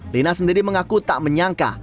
lina sendiri mengaku tak menyangka